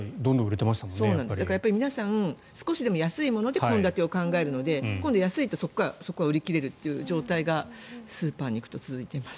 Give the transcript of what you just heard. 皆さん、少しでも安いもので献立を考えるので今度は安いとそこが売り切れるというのがスーパーで今続いています。